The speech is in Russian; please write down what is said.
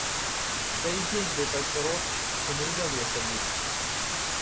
Да и день был так хорош, что нельзя было сердиться.